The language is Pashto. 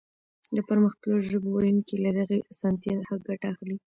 د پرمختللو ژبو ويونکي له دغې اسانتيا ښه ګټه اخلي.